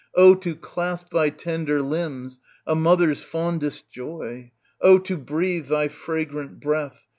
Oh to clasp thy tender limbs, a mother's fondest joy ! Oh to breathe thy fragrant breath